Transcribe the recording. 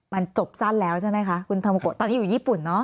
มันจบสั้นแล้วใช่ไหมคะคุณธอมโกะตอนนี้อยู่ญี่ปุ่นเนอ